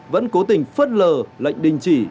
vẫn cố tình phất lờ lệnh đình chỉ